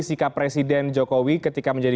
sikap presiden jokowi ketika menjadi